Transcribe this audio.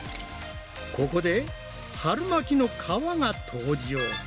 ここで春巻きの皮が登場！